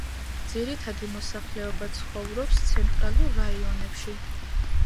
ძირითადი მოსახლეობა ცხოვრობს ცენტრალურ რაიონებში.